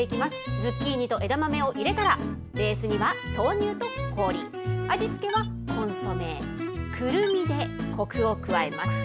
ズッキーニと枝豆を入れたら、ベースには豆乳と氷、味付けはコンソメ、クルミでコクを加えます。